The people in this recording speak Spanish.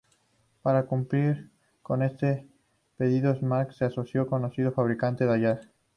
Para cumplir con este pedido, Spark se asoció al conocido fabricante Dallara.